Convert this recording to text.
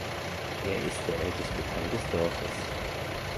Er ist der älteste Teil des Dorfes.